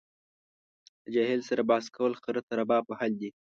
له جاهل سره بحث کول خره ته رباب وهل دي.